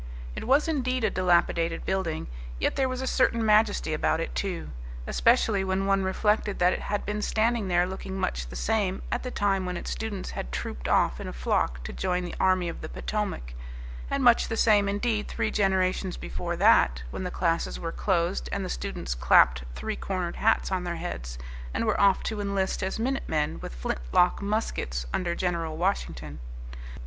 It was indeed a dilapidated building, yet there was a certain majesty about it, too, especially when one reflected that it had been standing there looking much the same at the time when its students had trooped off in a flock to join the army of the Potomac, and much the same, indeed, three generations before that, when the classes were closed and the students clapped three cornered hats on their heads and were off to enlist as minute men with flintlock muskets under General Washington.